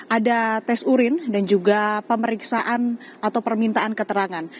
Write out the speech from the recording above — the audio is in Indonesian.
ada tes urin dan juga pemeriksaan atau permintaan keterangan